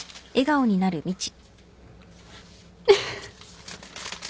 フフ。